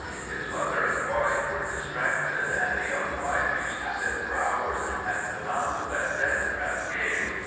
His mother and wife were distracted, and the young wife used to sit for hours at the mouth of that death trap cave.